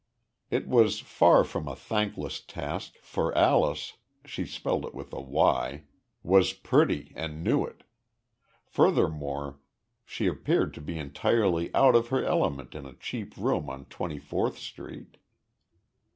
It was far from a thankless task, for Alyce she spelled it with a "y" was pretty and knew it. Furthermore, she appeared to be entirely out of her element in a cheap room on Twenty fourth Street.